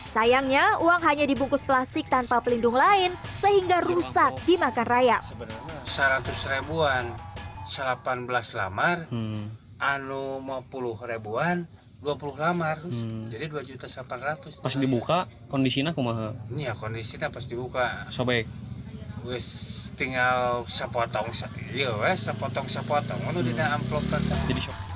sayangnya uang hanya dibungkus plastik tanpa pelindung lain sehingga rusak dimakan raya